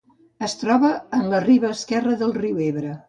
Es troba en la riba esquerra del riu Ebre.